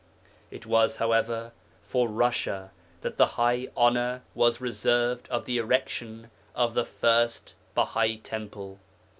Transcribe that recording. It was, however, for Russia that the high honour was reserved of the erection of the first Bahai temple.